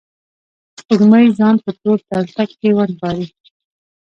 سپوږمۍ ځان په تور تلتک کې ونغاړلي